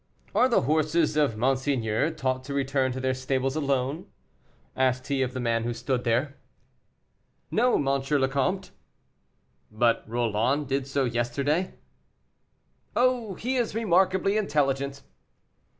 "Are the horses of monseigneur taught to return to their stable alone?" asked he of the man who stood there. "No, M. le Comte." "But Roland did so yesterday." "Oh, he is remarkably intelligent."